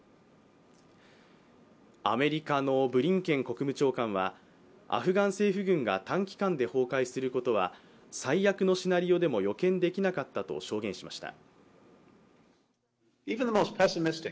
アメリカのブリンケン国務長官はアフガン政府軍が短期間で崩壊することは最悪のシナリオでも予見できなかったと証言しました。